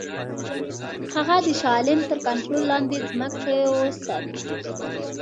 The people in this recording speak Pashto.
هغه د شاه عالم تر کنټرول لاندي ځمکې وساتي.